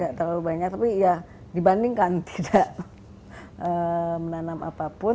tidak terlalu banyak tapi ya dibandingkan tidak menanam apapun